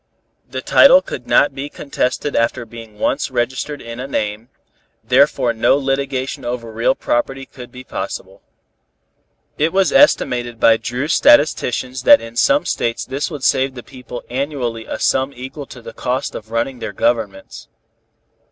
The title could not be contested after being once registered in a name, therefore no litigation over real property could be possible. It was estimated by Dru's statisticians that in some States this would save the people annually a sum equal to the cost of running their governments.